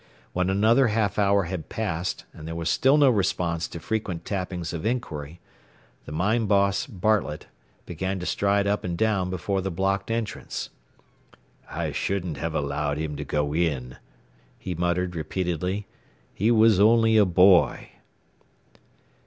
When another half hour had passed, and there was still no response to frequent tappings of inquiry, the mine boss, Bartlett, began to stride up and down before the blocked entrance. "I shouldn't have allowed him to go in," he muttered repeatedly. "He was only a boy."